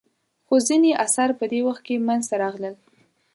خو ځینې اثار په دې وخت کې منځته راغلل.